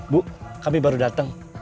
bu kami baru dateng